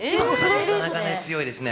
なかなかね、強いですね。